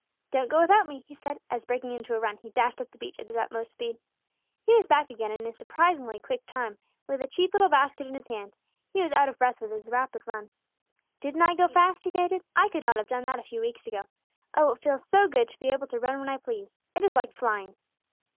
"Don't go without me," he said as, breaking into a run, he dashed up the beach at his utmost speed. He was back again in a surprisingly quick time, with a cheap little basket in his hand; he was out of breath with his rapid run. "Didn't I go fast?" he panted. "I could not have done that a few weeks ago. Oh, it feels so good to be able to run when I please! It is like flying."